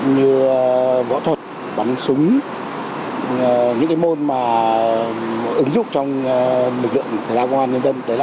như võ thuật bắn súng những cái môn mà ứng dụng trong lực lượng thể thao công an nhân dân đó là